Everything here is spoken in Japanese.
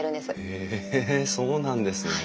へえそうなんですね。